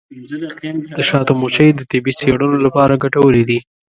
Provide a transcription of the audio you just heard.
د شاتو مچۍ د طبي څیړنو لپاره ګټورې دي.